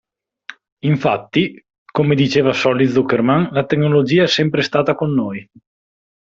Infatti, come diceva Solly Zuckerman la tecnologia è sempre stata con noi.